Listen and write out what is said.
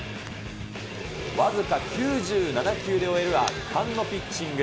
僅か９７球で終える圧巻のピッチング。